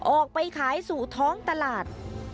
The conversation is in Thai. ออกไปขายสู่ท้องตลาด